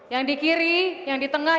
yang di kiri yang di tengah